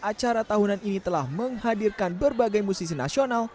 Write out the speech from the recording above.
acara tahunan ini telah menghadirkan berbagai musisi nasional